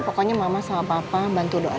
pokoknya mama sama papa bantu doa dari sini